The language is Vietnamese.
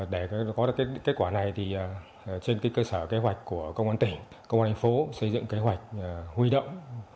để có được kết quả này trên cơ sở kế hoạch của công an tỉnh công an thành phố xây dựng kế hoạch huy động